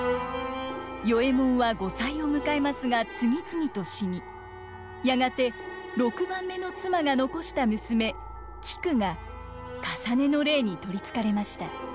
与右衛門は後妻を迎えますが次々と死にやがて六番目の妻が残した娘菊が累の霊に取りつかれました。